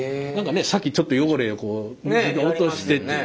先にちょっと汚れを落としてっていう。